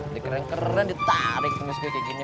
dih keren keren ditarik kumis gue kayak gini